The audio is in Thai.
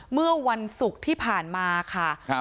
เมื่อวันศุกร์ที่ผ่านมาค่ะ